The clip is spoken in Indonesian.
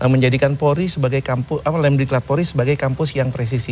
menjadikan lembiklat polri sebagai kampus yang presisi